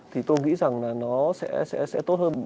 thì tôi nghĩ rằng là nó sẽ tốt hơn